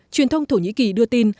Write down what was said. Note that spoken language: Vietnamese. truyền thông thổ nhĩ kỳ đưa tin